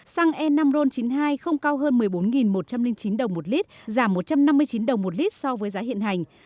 xăng e năm ron chín mươi hai không cao hơn một mươi bốn một trăm linh chín đồng một lít giảm một trăm năm mươi chín đồng một lít so với giá hiện hành